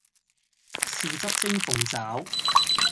豉汁蒸鳳爪